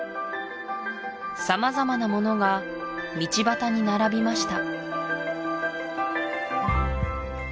様々なものが道端に並びました